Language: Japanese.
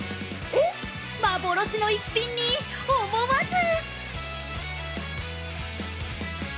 幻の逸品に、思わず。